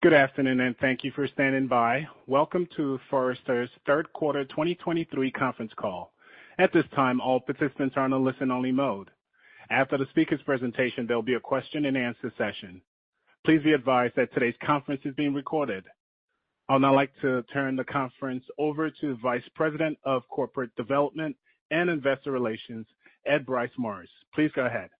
Good afternoon, and thank you for standing by. Welcome to Forrester's third quarter 2023 conference call. At this time, all participants are on a listen-only mode. After the speaker's presentation, there'll be a question-and-answer session. Please be advised that today's conference is being recorded. I would now like to turn the conference over to Vice President of Corporate Development and Investor Relations, Ed Bryce Morris. Please go ahead.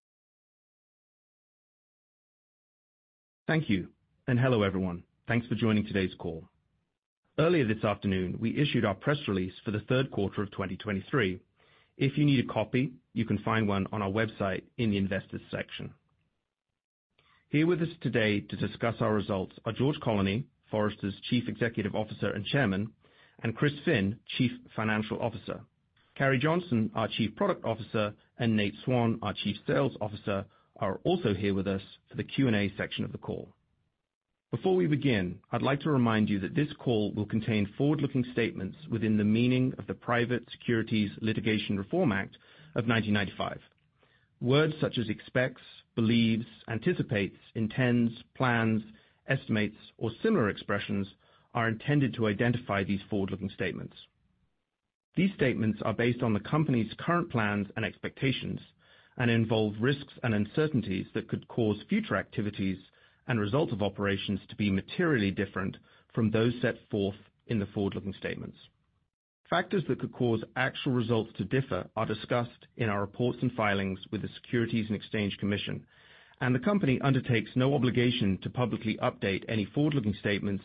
Thank you, and hello, everyone. Thanks for joining today's call. Earlier this afternoon, we issued our press release for the third quarter of 2023. If you need a copy, you can find one on our website in the Investors section. Here with us today to discuss our results are George Colony, Forrester's Chief Executive Officer and Chairman, and Chris Finn, Chief Financial Officer. Carrie Johnson, our Chief Product Officer, and Nate Swan, our Chief Sales Officer, are also here with us for the Q&A section of the call. Before we begin, I'd like to remind you that this call will contain forward-looking statements within the meaning of the Private Securities Litigation Reform Act of 1995. Words such as expects, believes, anticipates, intends, plans, estimates, or similar expressions are intended to identify these forward-looking statements. These statements are based on the company's current plans and expectations and involve risks and uncertainties that could cause future activities and results of operations to be materially different from those set forth in the forward-looking statements. Factors that could cause actual results to differ are discussed in our reports and filings with the Securities and Exchange Commission, and the company undertakes no obligation to publicly update any forward-looking statements,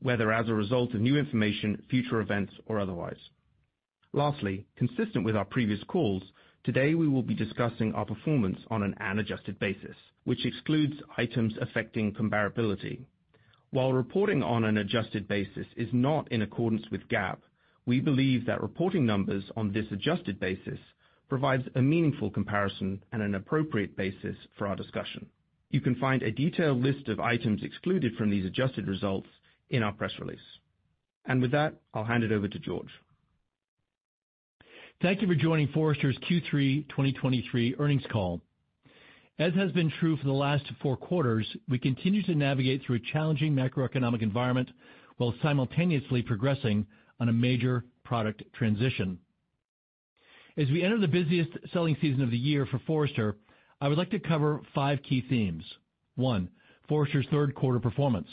whether as a result of new information, future events, or otherwise. Lastly, consistent with our previous calls, today we will be discussing our performance on an annual adjusted basis, which excludes items affecting comparability. While reporting on an adjusted basis is not in accordance with GAAP, we believe that reporting numbers on this adjusted basis provides a meaningful comparison and an appropriate basis for our discussion. You can find a detailed list of items excluded from these adjusted results in our press release. With that, I'll hand it over to George. Thank you for joining Forrester's Q3 2023 earnings call. As has been true for the last four quarters, we continue to navigate through a challenging macroeconomic environment while simultaneously progressing on a major product transition. As we enter the busiest selling season of the year for Forrester, I would like to cover five key themes. One, Forrester's third quarter performance.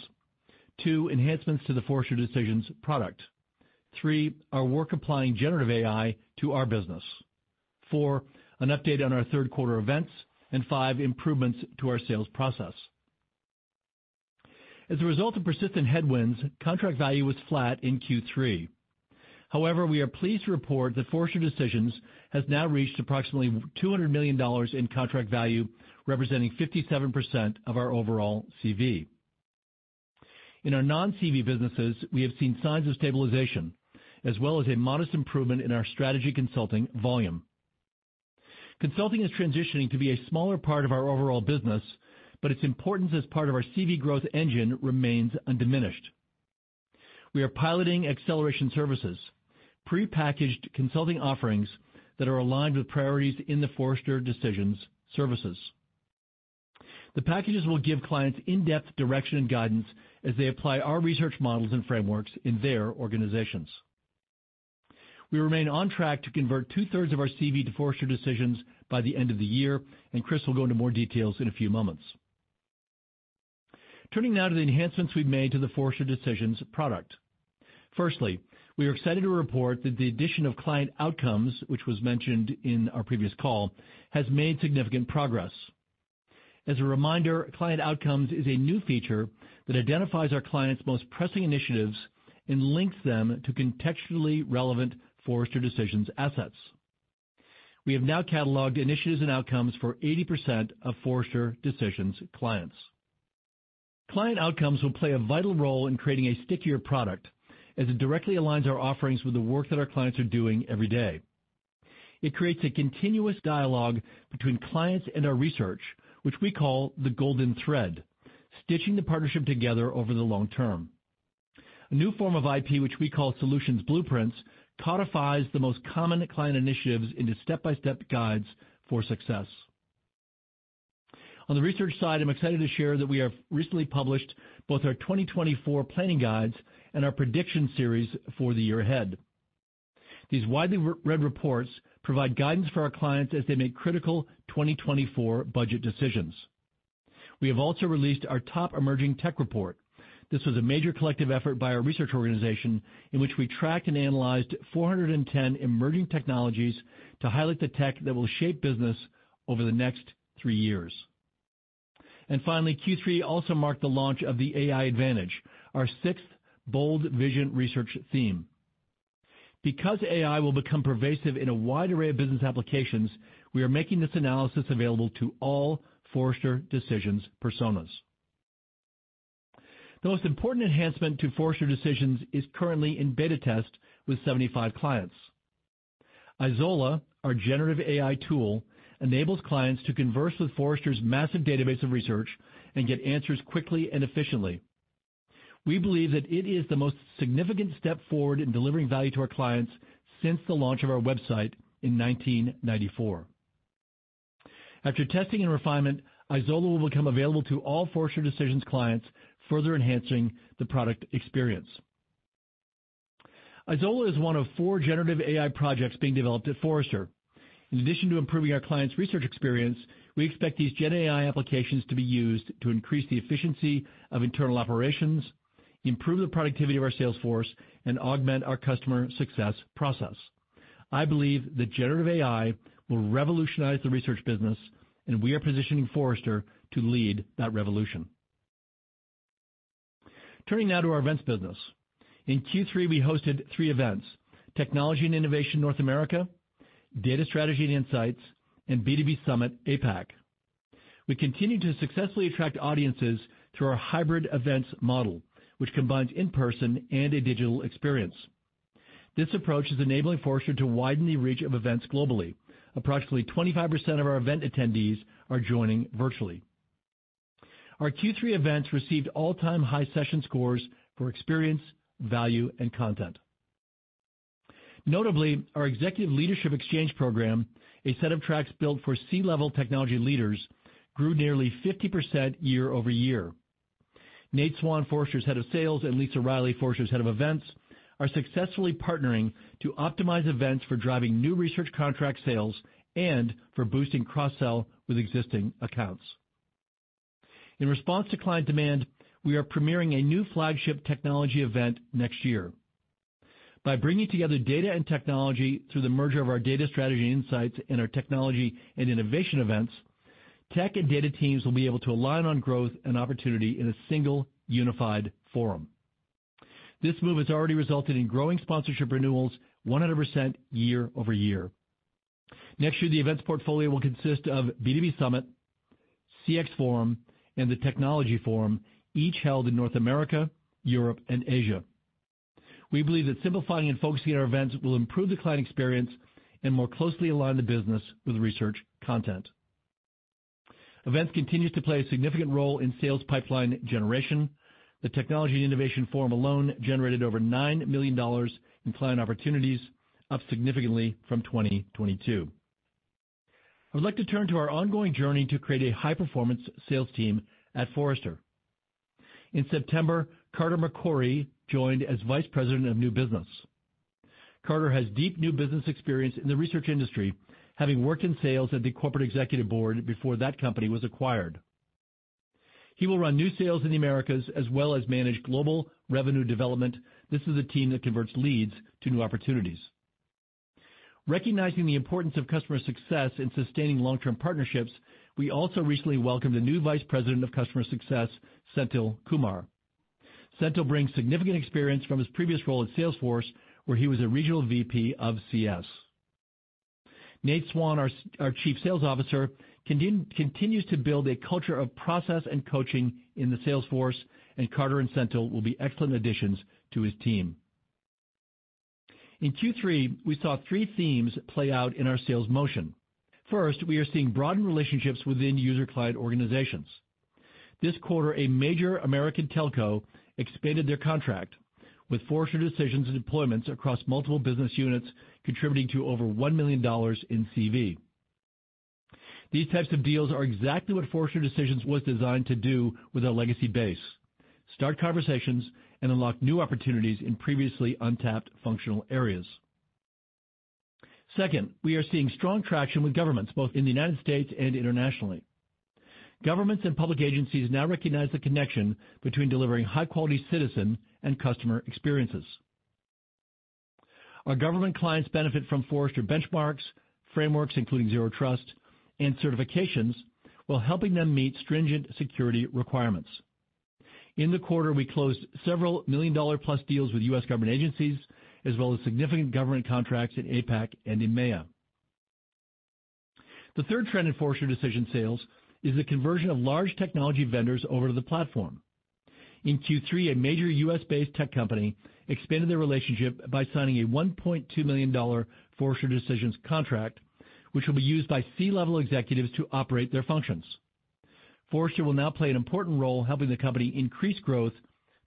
Two, enhancements to the Forrester Decisions product. Three, our work applying generative AI to our business. Four, an update on our third quarter events, and five, improvements to our sales process. As a result of persistent headwinds, contract value was flat in Q3. However, we are pleased to report that Forrester Decisions has now reached approximately $200 million in contract value, representing 57% of our overall CV. In our non-CV businesses, we have seen signs of stabilization, as well as a modest improvement in our strategy consulting volume. Consulting is transitioning to be a smaller part of our overall business, but its importance as part of our CV growth engine remains undiminished. We are piloting Acceleration Services, prepackaged consulting offerings that are aligned with priorities in the Forrester Decisions services. The packages will give clients in-depth direction and guidance as they apply our research models and frameworks in their organizations. We remain on track to convert 2/3 of our CV to Forrester Decisions by the end of the year, and Chris will go into more details in a few moments. Turning now to the enhancements we've made to the Forrester Decisions product. Firstly, we are excited to report that the addition of Client Outcomes, which was mentioned in our previous call, has made significant progress. As a reminder, Client Outcomes is a new feature that identifies our clients' most pressing initiatives and links them to contextually relevant Forrester Decisions assets. We have now cataloged initiatives and outcomes for 80% of Forrester Decisions clients. Client Outcomes will play a vital role in creating a stickier product as it directly aligns our offerings with the work that our clients are doing every day. It creates a continuous dialogue between clients and our research, which we call the Golden Thread, stitching the partnership together over the long term. A new form of IP, which we call Solutions Blueprints, codifies the most common client initiatives into step-by-step guides for success. On the research side, I'm excited to share that we have recently published both our 2024 planning guides and our prediction series for the year ahead. These widely reread reports provide guidance for our clients as they make critical 2024 budget decisions. We have also released our top emerging tech report. This was a major collective effort by our research organization, in which we tracked and analyzed 410 emerging technologies to highlight the tech that will shape business over the next three years. Finally, Q3 also marked the launch of The AI Advantage, our sixth bold vision research theme. Because AI will become pervasive in a wide array of business applications, we are making this analysis available to all Forrester Decisions personas. The most important enhancement to Forrester Decisions is currently in beta test with 75 clients. Izola, our generative AI tool, enables clients to converse with Forrester's massive database of research and get answers quickly and efficiently. We believe that it is the most significant step forward in delivering value to our clients since the launch of our website in 1994. After testing and refinement, Izola will become available to all Forrester Decisions clients, further enhancing the product experience. Izola is one of four generative AI projects being developed at Forrester. In addition to improving our clients' research experience, we expect these GenAI applications to be used to increase the efficiency of internal operations, improve the productivity of our sales force, and augment our customer success process. I believe that generative AI will revolutionize the research business, and we are positioning Forrester to lead that revolution. Turning now to our events business. In Q3, we hosted three events: Technology & Innovation North America, Data Strategy & Insights, and B2B Summit APAC. We continue to successfully attract audiences through our hybrid events model, which combines in-person and a digital experience. This approach is enabling Forrester to widen the reach of events globally. Approximately 25% of our event attendees are joining virtually. Our Q3 events received all-time high session scores for experience, value, and content. Notably, our Executive Leadership Exchange program, a set of tracks built for C-level technology leaders, grew nearly 50% year-over-year. Nate Swan, Forrester's Head of Sales, and Lisa Riley, Forrester's Head of Events, are successfully partnering to optimize events for driving new research contract sales and for boosting cross-sell with existing accounts. In response to client demand, we are premiering a new flagship technology event next year. By bringing together data and technology through the merger of our Data Strategy & Insights and our Technology & Innovation events, tech and data teams will be able to align on growth and opportunity in a single, unified forum. This move has already resulted in growing sponsorship renewals 100% year-over-year. Next year, the events portfolio will consist of B2B Summit, CX Forum, and the Technology Forum, each held in North America, Europe, and Asia. We believe that simplifying and focusing our events will improve the client experience and more closely align the business with research content. Events continues to play a significant role in sales pipeline generation. The Technology and Innovation Forum alone generated over $9 million in client opportunities, up significantly from 2022. I'd like to turn to our ongoing journey to create a high-performance sales team at Forrester. In September, Carter McCrory joined as Vice President of New Business. Carter has deep new business experience in the research industry, having worked in sales at the Corporate Executive Board before that company was acquired. He will run new sales in the Americas as well as manage global revenue development. This is a team that converts leads to new opportunities. Recognizing the importance of customer success in sustaining long-term partnerships, we also recently welcomed a new Vice President of Customer Success, Senthil Kumar. Senthil brings significant experience from his previous role at Salesforce, where he was a regional VP of CS. Nate Swan, our Chief Sales Officer, continues to build a culture of process and coaching in the sales force, and Carter and Senthil will be excellent additions to his team. In Q3, we saw three themes play out in our sales motion. First, we are seeing broadened relationships within user client organizations. This quarter, a major American telco expanded their contract with Forrester Decisions and deployments across multiple business units, contributing to over $1 million in CV. These types of deals are exactly what Forrester Decisions was designed to do with our legacy base: start conversations and unlock new opportunities in previously untapped functional areas. Second, we are seeing strong traction with governments, both in the United States and internationally. Governments and public agencies now recognize the connection between delivering high-quality citizen and customer experiences. Our government clients benefit from Forrester benchmarks, frameworks, including Zero Trust and certifications, while helping them meet stringent security requirements. In the quarter, we closed several million-dollar-plus deals with U.S. government agencies, as well as significant government contracts in APAC and in MEA. The third trend in Forrester Decisions sales is the conversion of large technology vendors over to the platform. In Q3, a major U.S.-based tech company expanded their relationship by signing a $1.2 million Forrester Decisions contract, which will be used by C-level executives to operate their functions. Forrester will now play an important role helping the company increase growth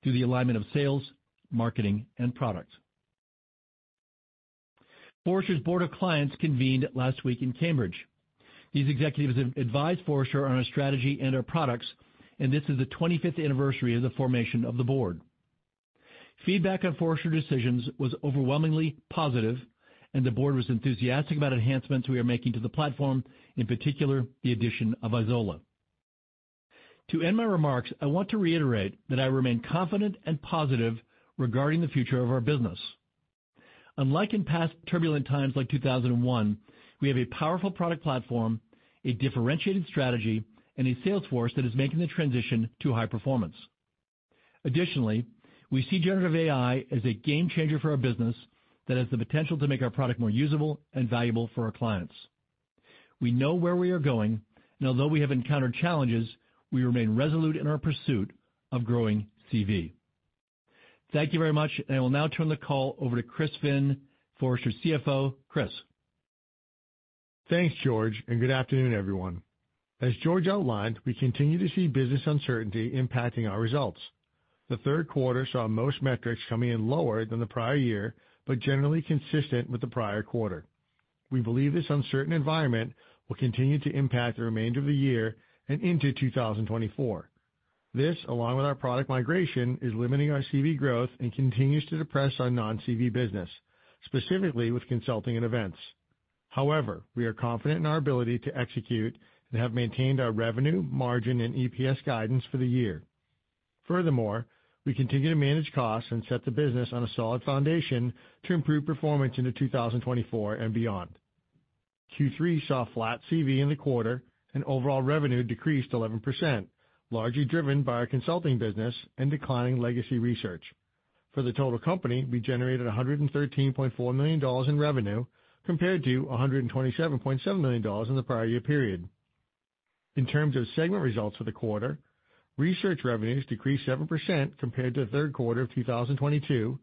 through the alignment of sales, marketing, and product. Forrester's Board of Clients convened last week in Cambridge. These executives have advised Forrester on our strategy and our products, and this is the 25th anniversary of the formation of the board. Feedback on Forrester Decisions was overwhelmingly positive, and the board was enthusiastic about enhancements we are making to the platform, in particular, the addition of Izola. To end my remarks, I want to reiterate that I remain confident and positive regarding the future of our business. Unlike in past turbulent times, like 2001, we have a powerful product platform, a differentiated strategy, and a sales force that is making the transition to high performance. Additionally, we see generative AI as a game changer for our business that has the potential to make our product more usable and valuable for our clients. We know where we are going, and although we have encountered challenges, we remain resolute in our pursuit of growing CV. Thank you very much, and I will now turn the call over to Chris Finn, Forrester's CFO. Chris? Thanks, George, and good afternoon, everyone. As George outlined, we continue to see business uncertainty impacting our results. The third quarter saw most metrics coming in lower than the prior year, but generally consistent with the prior quarter. We believe this uncertain environment will continue to impact the remainder of the year and into 2024. This, along with our product migration, is limiting our CV growth and continues to depress our non-CV business, specifically with consulting and events. However, we are confident in our ability to execute and have maintained our revenue, margin, and EPS guidance for the year. Furthermore, we continue to manage costs and set the business on a solid foundation to improve performance into 2024 and beyond. Q3 saw flat CV in the quarter, and overall revenue decreased 11%, largely driven by our consulting business and declining legacy research. For the total company, we generated $113.4 million in revenue, compared to $127.7 million in the prior year period. In terms of segment results for the quarter, research revenues decreased 7% compared to the third quarter of 2022,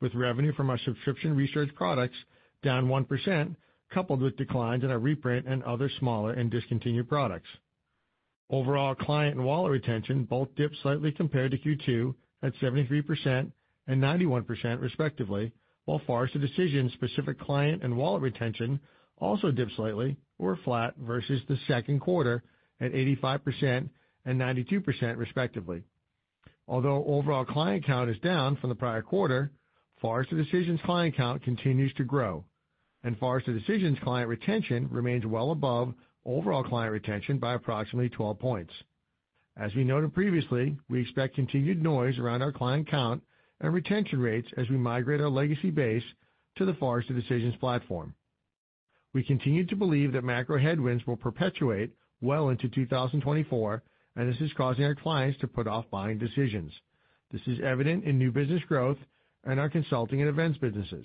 with revenue from our subscription research products down 1%, coupled with declines in our reprint and other smaller and discontinued products. Overall, client and wallet retention both dipped slightly compared to Q2 at 73% and 91%, respectively, while Forrester Decisions specific client and wallet retention also dipped slightly or flat versus the second quarter at 85% and 92%, respectively. Although overall client count is down from the prior quarter, Forrester Decisions client count continues to grow, and Forrester Decisions client retention remains well above overall client retention by approximately 12 points. As we noted previously, we expect continued noise around our client count and retention rates as we migrate our legacy base to the Forrester Decisions platform. We continue to believe that macro headwinds will perpetuate well into 2024, and this is causing our clients to put off buying decisions. This is evident in new business growth and our consulting and events businesses.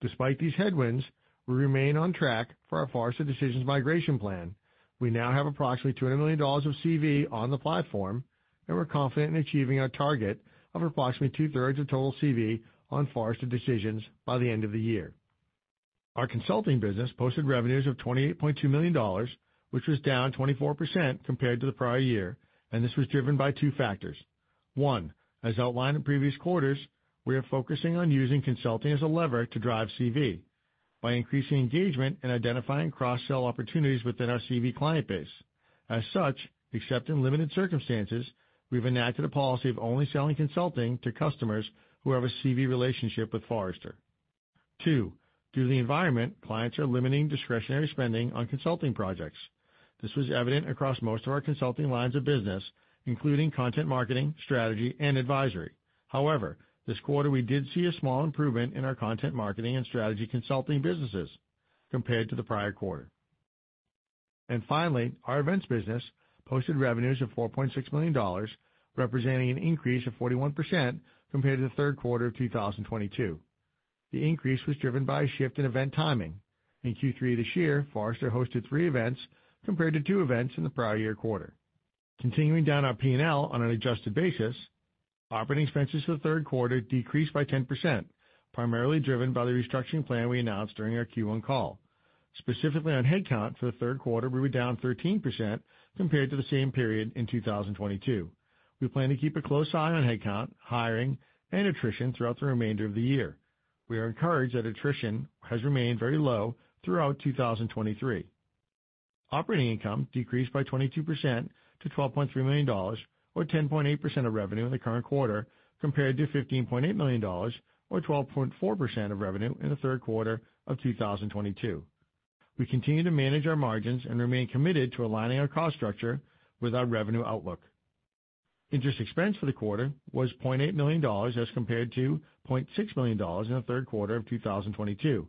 Despite these headwinds, we remain on track for our Forrester Decisions migration plan. We now have approximately $200 million of CV on the platform, and we're confident in achieving our target of approximately 2/3 of total CV on Forrester Decisions by the end of the year. Our consulting business posted revenues of $28.2 million, which was down 24% compared to the prior year, and this was driven by two factors. One, as outlined in previous quarters, we are focusing on using consulting as a lever to drive CV by increasing engagement and identifying cross-sell opportunities within our CV client base. As such, except in limited circumstances, we've enacted a policy of only selling consulting to customers who have a CV relationship with Forrester. Two, due to the environment, clients are limiting discretionary spending on consulting projects. This was evident across most of our consulting lines of business, including content marketing, strategy, and advisory. However, this quarter, we did see a small improvement in our content marketing and strategy consulting businesses compared to the prior quarter. And finally, our events business posted revenues of $4.6 million, representing an increase of 41% compared to the third quarter of 2022. The increase was driven by a shift in event timing. In Q3 this year, Forrester hosted three events compared to two events in the prior year quarter. Continuing down our P&L on an adjusted basis, operating expenses for the third quarter decreased by 10%, primarily driven by the restructuring plan we announced during our Q1 call. Specifically, on headcount for the third quarter, we were down 13% compared to the same period in 2022. We plan to keep a close eye on headcount, hiring, and attrition throughout the remainder of the year. We are encouraged that attrition has remained very low throughout 2023. Operating income decreased by 22% to $12.3 million, or 10.8% of revenue in the current quarter, compared to $15.8 million, or 12.4% of revenue in the third quarter of 2022. We continue to manage our margins and remain committed to aligning our cost structure with our revenue outlook. Interest expense for the quarter was $0.8 million as compared to $0.6 million in the third quarter of 2022.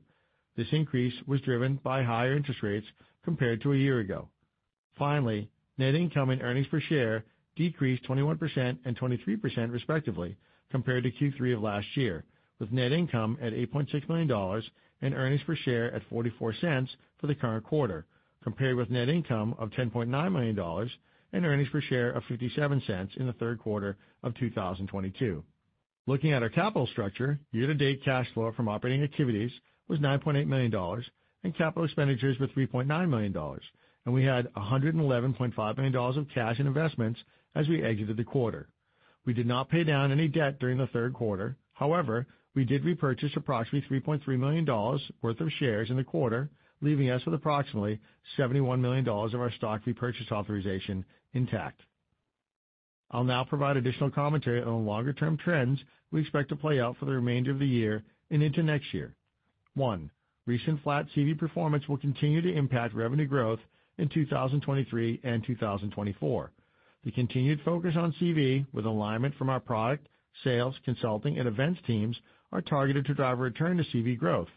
This increase was driven by higher interest rates compared to a year ago. Finally, net income and earnings per share decreased 21% and 23%, respectively, compared to Q3 of last year, with net income at $8.6 million and earnings per share at $0.44 for the current quarter, compared with net income of $10.9 million and earnings per share of $0.57 in the third quarter of 2022. Looking at our capital structure, year-to-date cash flow from operating activities was $9.8 million, and capital expenditures were $3.9 million, and we had $111.5 million of cash and investments as we exited the quarter. We did not pay down any debt during the third quarter. However, we did repurchase approximately $3.3 million worth of shares in the quarter, leaving us with approximately $71 million of our stock repurchase authorization intact. I'll now provide additional commentary on longer-term trends we expect to play out for the remainder of the year and into next year. One, recent flat CV performance will continue to impact revenue growth in 2023 and 2024. The continued focus on CV, with alignment from our product, sales, consulting, and events teams, are targeted to drive a return to CV growth.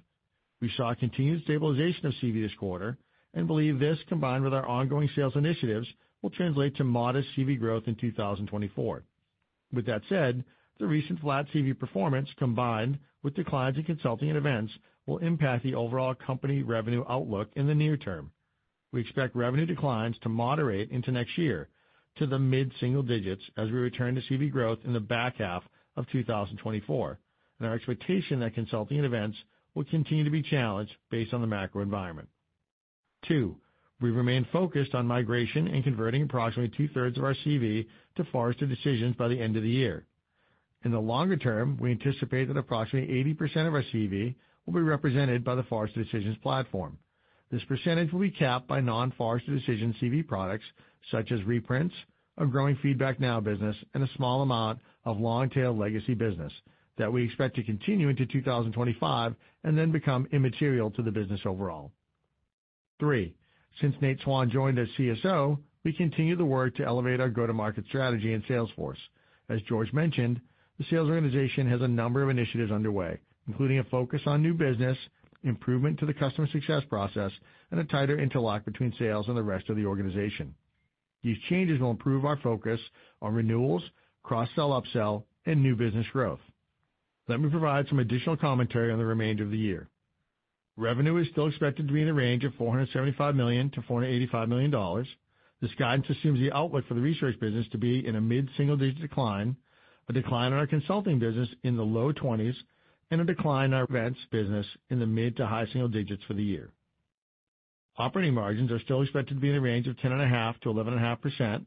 We saw a continued stabilization of CV this quarter and believe this, combined with our ongoing sales initiatives, will translate to modest CV growth in 2024. With that said, the recent flat CV performance, combined with declines in consulting and events, will impact the overall company revenue outlook in the near term. We expect revenue declines to moderate into next year to the mid-single digits as we return to CV growth in the back half of 2024. Our expectation that consulting and events will continue to be challenged based on the macro environment. Two, we remain focused on migration and converting approximately 2/3 of our CV to Forrester Decisions by the end of the year. In the longer term, we anticipate that approximately 80% of our CV will be represented by the Forrester Decisions platform. This percentage will be capped by non-Forrester Decisions CV products, such as reprints, a growing FeedbackNow business, and a small amount of long-tail legacy business that we expect to continue into 2025 and then become immaterial to the business overall. Three, since Nate Swan joined as CSO, we continue the work to elevate our go-to-market strategy and sales force. As George mentioned, the sales organization has a number of initiatives underway, including a focus on new business, improvement to the customer success process, and a tighter interlock between sales and the rest of the organization. These changes will improve our focus on renewals, cross-sell, upsell, and new business growth. Let me provide some additional commentary on the remainder of the year. Revenue is still expected to be in a range of $475 million-$485 million. This guidance assumes the outlook for the research business to be in a mid-single-digit decline, a decline in our consulting business in the low 20s, and a decline in our events business in the mid to high single digits for the year. Operating margins are still expected to be in the range of 10.5%-11.5%.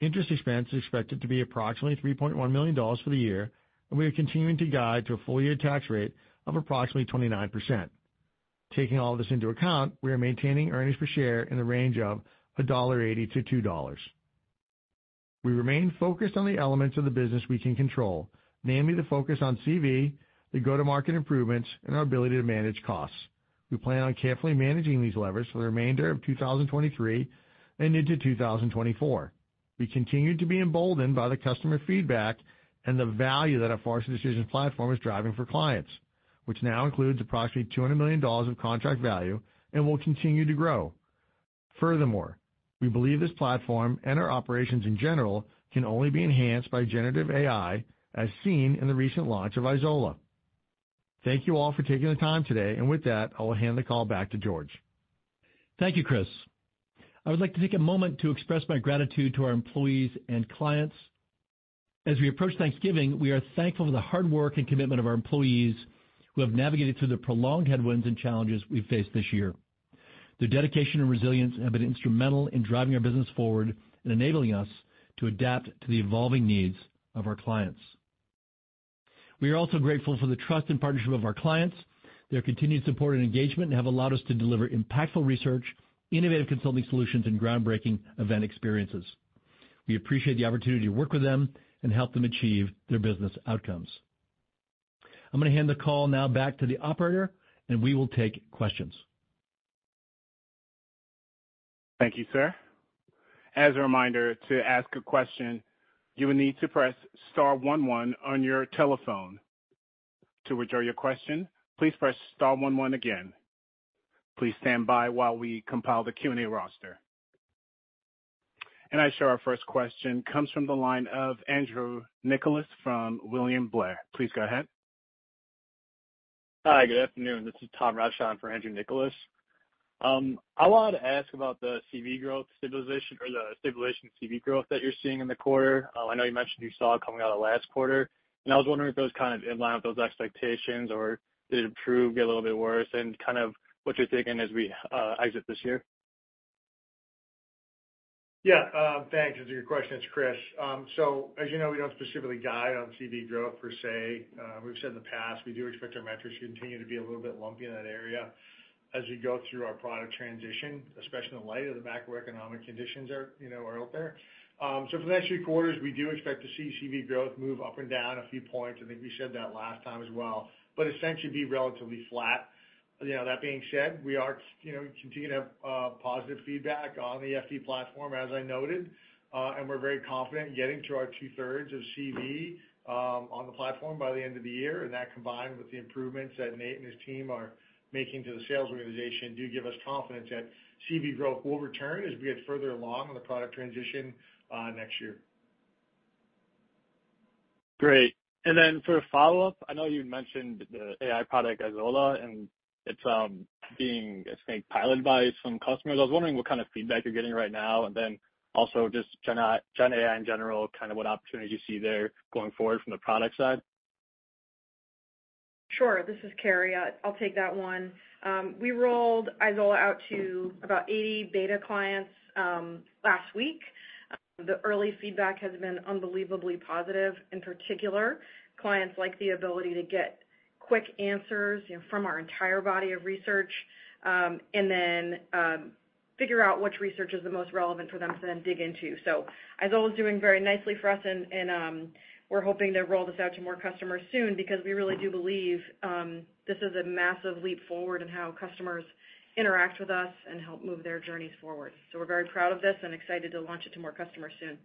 Interest expense is expected to be approximately $3.1 million for the year, and we are continuing to guide to a full year tax rate of approximately 29%. Taking all this into account, we are maintaining earnings per share in the range of $1.80-$2.00. We remain focused on the elements of the business we can control, namely, the focus on CV, the go-to-market improvements, and our ability to manage costs. We plan on carefully managing these levers for the remainder of 2023 and into 2024. We continue to be emboldened by the customer feedback and the value that our Forrester Decisions platform is driving for clients, which now includes approximately $200 million of contract value and will continue to grow. Furthermore, we believe this platform and our operations in general, can only be enhanced by generative AI, as seen in the recent launch of Izola. Thank you all for taking the time today, and with that, I will hand the call back to George. Thank you, Chris. I would like to take a moment to express my gratitude to our employees and clients. As we approach Thanksgiving, we are thankful for the hard work and commitment of our employees, who have navigated through the prolonged headwinds and challenges we've faced this year. Their dedication and resilience have been instrumental in driving our business forward and enabling us to adapt to the evolving needs of our clients. We are also grateful for the trust and partnership of our clients. Their continued support and engagement have allowed us to deliver impactful research, innovative consulting solutions, and groundbreaking event experiences. We appreciate the opportunity to work with them and help them achieve their business outcomes. I'm gonna hand the call now back to the operator, and we will take questions. Thank you, sir. As a reminder, to ask a question, you will need to press star one one on your telephone. To withdraw your question, please press star one one again. Please stand by while we compile the Q&A roster. I show our first question comes from the line of Andrew Nicholas from William Blair. Please go ahead. Hi, good afternoon. This is Tom Roesch on for Andrew Nicholas. I wanted to ask about the CV growth stabilization or the stabilization CV growth that you're seeing in the quarter. I know you mentioned you saw it coming out of last quarter, and I was wondering if it was kind of in line with those expectations, or did it improve, get a little bit worse, and kind of what you're thinking as we exit this year? Yeah, thanks for your question. It's Chris. So, as you know, we don't specifically guide on CV growth per se. We've said in the past, we do expect our metrics to continue to be a little bit lumpy in that area as we go through our product transition, especially in light of the macroeconomic conditions, you know, are out there. So for the next few quarters, we do expect to see CV growth move up and down a few points. I think we said that last time as well, but essentially be relatively flat. You know, that being said, we are, you know, continuing to have positive feedback on the FD platform, as I noted, and we're very confident in getting to our 2/3 of CV on the platform by the end of the year. That, combined with the improvements that Nate and his team are making to the sales organization, do give us confidence that CV growth will return as we get further along in the product transition next year. Great. And then for a follow-up, I know you mentioned the AI product, Izola, and it's being, I think, piloted by some customers. I was wondering what kind of feedback you're getting right now, and then also just GenAI in general, kind of what opportunities you see there going forward from the product side? Sure. This is Carrie. I'll take that one. We rolled Izola out to about 80 beta clients last week. The early feedback has been unbelievably positive. In particular, clients like the ability to get quick answers, you know, from our entire body of research, and then figure out which research is the most relevant for them to then dig into. So Izola's doing very nicely for us and we're hoping to roll this out to more customers soon because we really do believe this is a massive leap forward in how customers interact with us and help move their journeys forward. So we're very proud of this and excited to launch it to more customers soon.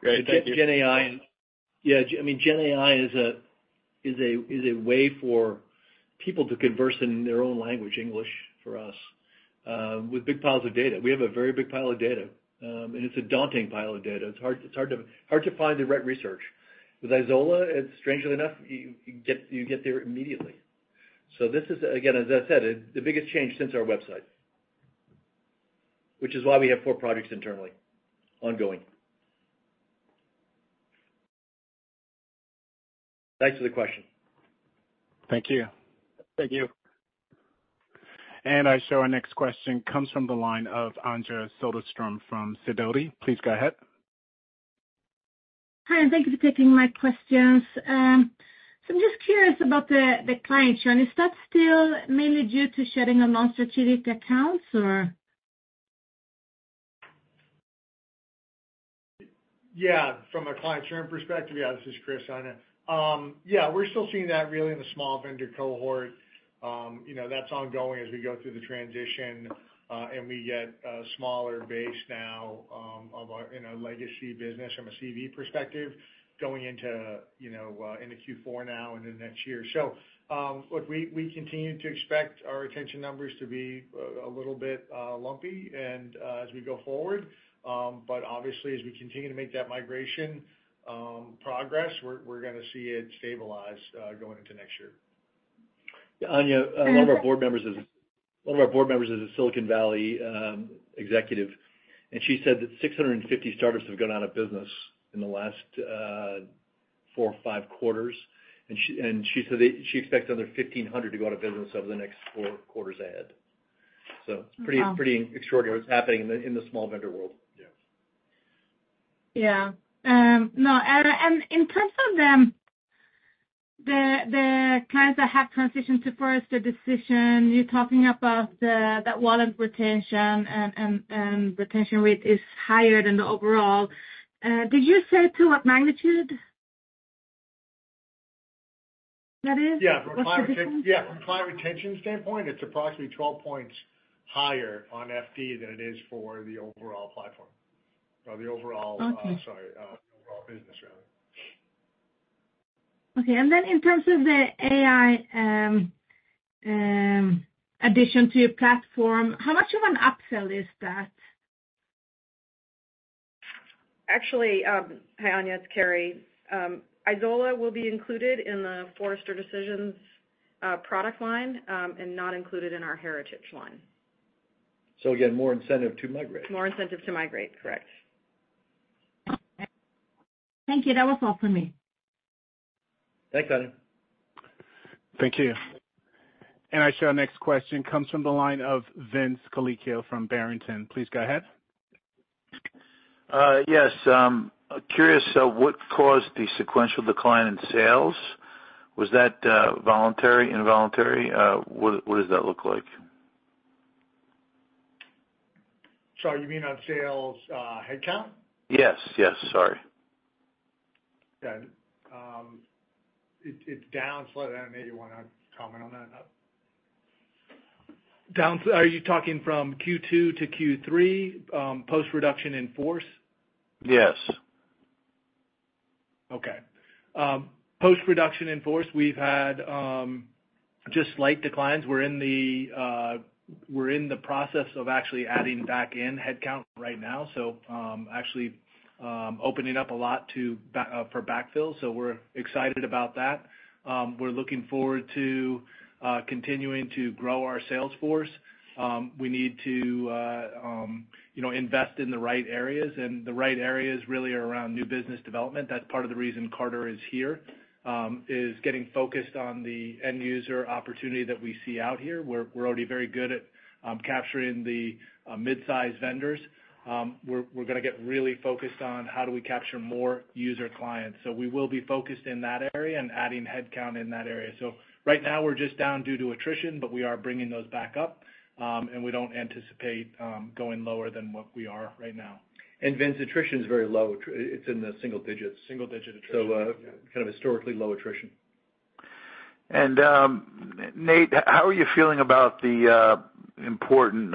Great. Thank you. GenAI. Yeah, I mean, GenAI is a way for people to converse in their own language, English, for us, with big piles of data. We have a very big pile of data, and it's a daunting pile of data. It's hard to find the right research. With Izola, it's strangely enough, you get there immediately. So this is again, as I said, the biggest change since our website, which is why we have four projects internally ongoing. Thanks for the question. Thank you. Thank you. I show our next question comes from the line of Anja Soderstrom from Sidoti. Please go ahead. Hi, and thank you for taking my questions. So I'm just curious about the client churn. Is that still mainly due to shedding on non-strategic accounts, or? Yeah, from a client churn perspective, yeah, this is Chris, Anja. Yeah, we're still seeing that really in the small vendor cohort. You know, that's ongoing as we go through the transition, and we get a smaller base now of our, in our legacy business from a CV perspective, going into, you know, into Q4 now and then next year. Look, we continue to expect our retention numbers to be a little bit lumpy, as we go forward. Obviously, as we continue to make that migration progress, we're going to see it stabilize going into next year. Yeah, Anja, one of our board members is a Silicon Valley executive, and she said that 650 startups have gone out of business in the last four or five quarters. And she said she expects another 1,500 to go out of business over the next four quarters ahead. So pretty extraordinary what's happening in the small vendor world. Yeah. Yeah. No, and in terms of the clients that have transitioned to Forrester Decisions, you're talking about that wallet retention and retention rate is higher than the overall. Did you say to what magnitude that is? Yeah, from client retention standpoint, it's approximately 12 points higher on FD than it is for the overall platform or the overall- Okay. Sorry, overall business rather. Okay, in terms of the AI addition to your platform, how much of an upsell is that? Actually, hi, Anja, it's Carrie. Izola will be included in the Forrester Decisions product line, and not included in our heritage line. Again, more incentive to migrate. More incentive to migrate, correct. Thank you. That was all for me. Thanks, Anja. Thank you. And I show our next question comes from the line of Vince Colicchio from Barrington. Please go ahead. Yes, curious, what caused the sequential decline in sales? Was that voluntary, involuntary? What does that look like? Sorry, you mean on sales, headcount? Yes, yes. Sorry. Yeah. It's down slightly, and Nate, you wanna comment on that? Are you talking from Q2 to Q3, post-reduction in force? Yes. Okay. Post-reduction in force, we've had just slight declines. We're in the process of actually adding back in headcount right now, so actually opening up a lot for backfill, so we're excited about that. We're looking forward to continuing to grow our sales force. We need to you know, invest in the right areas, and the right areas really are around new business development. That's part of the reason Carter is here, is getting focused on the end user opportunity that we see out here. We're already very good at capturing the mid-sized vendors. We're gonna get really focused on how do we capture more user clients. So we will be focused in that area and adding headcount in that area. Right now we're just down due to attrition, but we are bringing those back up, and we don't anticipate going lower than what we are right now. And Vince, attrition is very low. It's in the single digits. Single digit attrition. So, kind of historically low attrition. Nate, how are you feeling about the important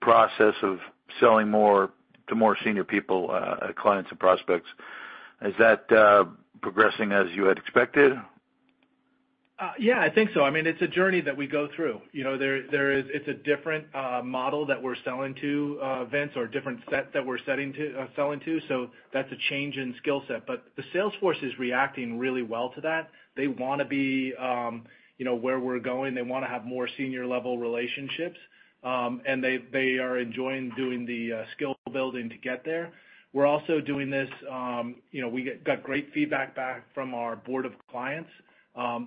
process of selling more to more senior people, clients and prospects? Is that progressing as you had expected? Yeah, I think so. I mean, it's a journey that we go through. You know, there is. It's a different model that we're selling to events, or a different set that we're setting to selling to, so that's a change in skill set. But the sales force is reacting really well to that. They wanna be, you know, where we're going. They wanna have more senior-level relationships, and they are enjoying doing the skill building to get there. We're also doing this, you know, we got great feedback back from our Board of Clients,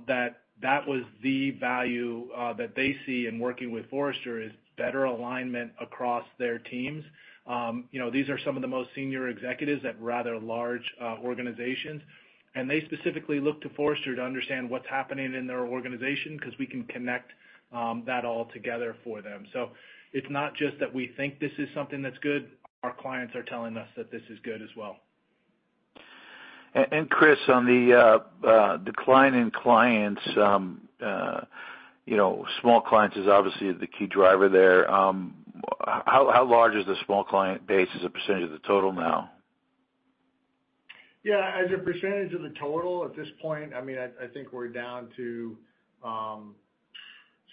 that that was the value that they see in working with Forrester, is better alignment across their teams. You know, these are some of the most senior executives at rather large organizations, and they specifically look to Forrester to understand what's happening in their organization, 'cause we can connect that all together for them. So it's not just that we think this is something that's good, our clients are telling us that this is good as well. Chris, on the decline in clients, you know, small clients is obviously the key driver there. How large is the small client base as a percentage of the total now? Yeah, as a percentage of the total at this point, I mean, I think we're down to, jeez,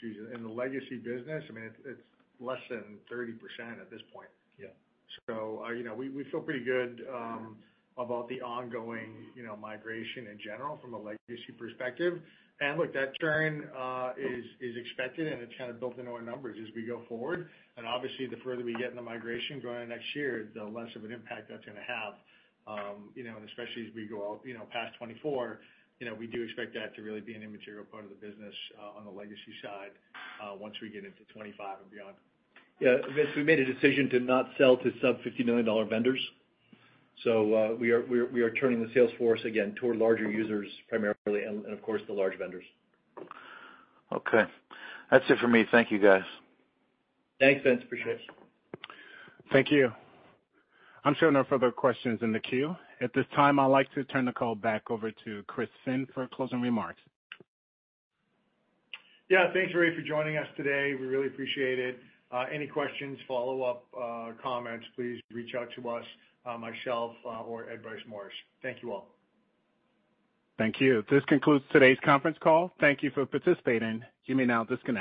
in the legacy business, I mean, it's less than 30% at this point. Yeah. So, you know, we feel pretty good about the ongoing, you know, migration in general from a legacy perspective. And look, that churn is expected, and it's kind of built into our numbers as we go forward. And obviously, the further we get in the migration going into next year, the less of an impact that's gonna have. You know, and especially as we go out, you know, past 2024, you know, we do expect that to really be an immaterial part of the business, on the legacy side, once we get into 2025 and beyond. Yeah, Vince, we made a decision to not sell to sub-$50 million vendors. So, we are turning the sales force again toward larger users primarily and, of course, the large vendors. Okay. That's it for me. Thank you, guys. Thanks, Vince. Appreciate it. Thank you. I'm showing no further questions in the queue. At this time, I'd like to turn the call back over to Chris Finn for closing remarks. Yeah, thanks, everybody, for joining us today. We really appreciate it. Any questions, follow-up, comments, please reach out to us, myself, or Ed Bryce Morris. Thank you all. Thank you. This concludes today's conference call. Thank you for participating. You may now disconnect.